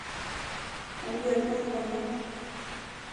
Han bjöd på en konjak.